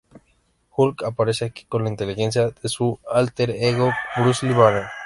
Hulk aparece aquí con la inteligencia de su "álter ego", Bruce Banner.